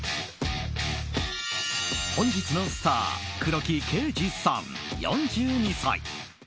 本日のスター黒木啓司さん、４２歳。